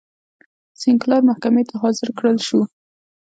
سینکلر محکمې ته حاضر کړل شو.